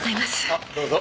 あっどうぞ。